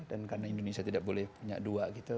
dan karena indonesia tidak boleh punya dua gitu